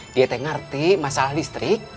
dia tidak ngerti masalah listrik